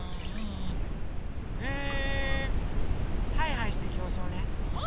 へえハイハイしてきょうそうね！もい！